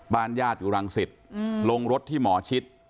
บ้านญาติอยู่รังสิตลงรถที่หมอชิด